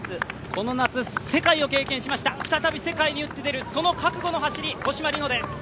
この夏、世界を経験しました再び世界に打って出る、その覚悟の走り、五島莉乃です。